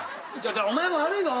お前も悪いぞお前。